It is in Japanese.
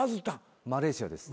マレーシアです。